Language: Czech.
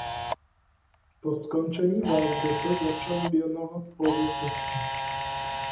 Po skončení války se začal věnovat politice.